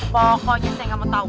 pokoknya saya nggak mau tahu